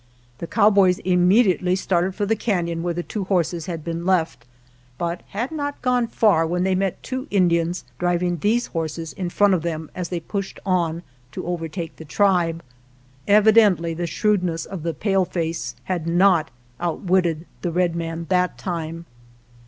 The cowboys immediately started for the canon where the two horses had been left, but had not gone far when they met two Indians driving these horses in front of them as they pushed on to overtake the tribe. Evidently the shrewdness of the paleface had not outwitted the red man that time.